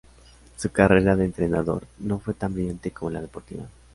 Su carrera de entrenador no fue tan brillante como la deportiva.